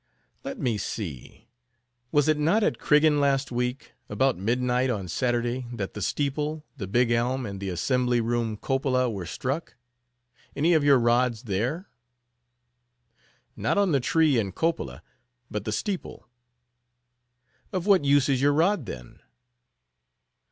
"Let me see. Was it not at Criggan last week, about midnight on Saturday, that the steeple, the big elm, and the assembly room cupola were struck? Any of your rods there?" "Not on the tree and cupola, but the steeple." "Of what use is your rod, then?"